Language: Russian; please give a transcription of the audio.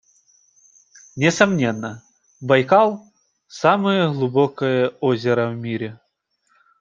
Несомненно, Байкал - самое глубокое озеро в мире.